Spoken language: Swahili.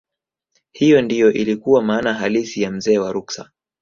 hiyo ndiyo ilikuwa maana halisi ya mzee wa ruksa